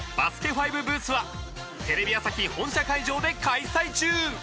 ＦＩＶＥブースはテレビ朝日本社会場で開催中！